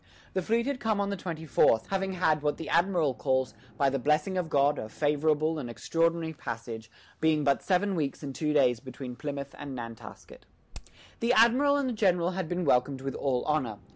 The fleet had come on the twenty fourth, having had what the Admiral calls "by the blessing of God a favorable and extraordinary passage, being but seven weeks and two days between Plymouth and Nantasket." The Admiral and the General had been welcomed with all honor.